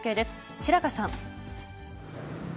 白賀さん。